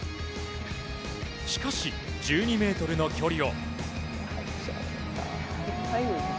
しかし、１２ｍの距離を。